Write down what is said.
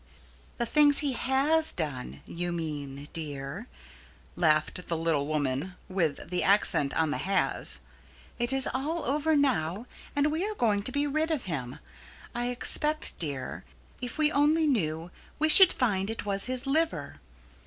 "The things he has done, you mean, dear," laughed the little woman, with the accent on the "has." "It is all over now, and we are going to be rid of him. I expect, dear, if we only knew, we should find it was his liver.